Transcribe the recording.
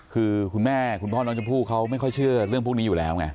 คือคุณแม่คุณพ่อน้องชมพู่เขาไม่ค่อยเชื่อเรื่องพวกนี้อยู่แล้วไง